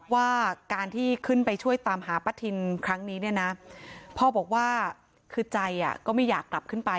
ว่าการที่ขึ้นไปช่วยตามหาป้าทินครั้งนี้เนี่ยนะพ่อบอกว่าคือใจก็ไม่อยากกลับขึ้นไป